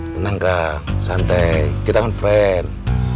tenang kak santai kita kan friend